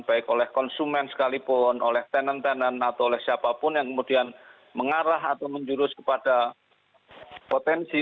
baik oleh konsumen sekalipun oleh tenan tenan atau oleh siapapun yang kemudian mengarah atau menjurus kepada potensi